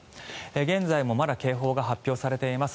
現在もまだ警報が発表されています。